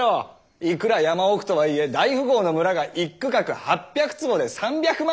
いくら山奥とはいえ大富豪の村が一区画８００坪で３００万？